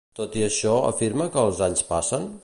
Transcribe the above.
Tot i això, afirma que els anys passen?